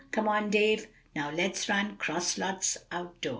Come on Dave, now let's run 'cross lots out doors!"